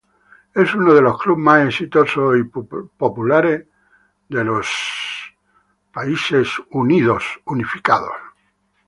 Es uno de los clubes más exitosos y populares de los Emiratos Árabes Unidos.